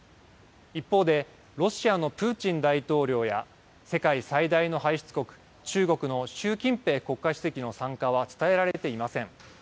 一方で、ロシアのプーチン大統領や、世界最大の排出国、中国の習近平国家主席の参加は伝えられていません。